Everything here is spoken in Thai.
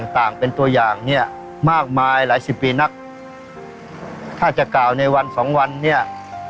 ต่างเป็นตัวอย่างเนี่ยมากมายหลายสิบปีนักถ้าจะกล่าวในวันสองวันเนี่ย